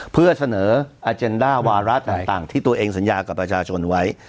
เพื่อเสนออาเจนด้าวาระต่างที่ตัวเองสัญญากับประชาชนไว้